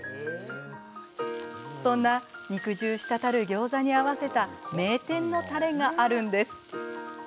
そんな肉汁滴るギョーザに合わせた名店のたれがあるんです。